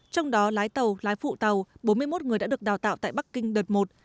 trong đó lái tàu lái phụ tàu bốn mươi một người đã được đào tạo tại bắc kinh đợt một